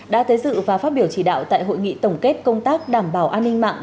đã tới dự và phát biểu chỉ đạo tại hội nghị tổng kết công tác đảm bảo an ninh mạng